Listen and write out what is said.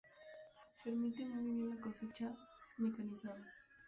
Permite muy bien la cosecha mecanizada.